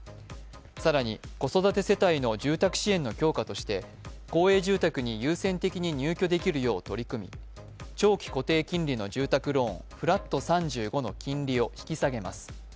更に、子育て世帯の住宅支援の強化として、公営住宅に優先的に入居できるよう取り組み長期固定金利の住宅ローン・フラット３５の金利を引き下げます。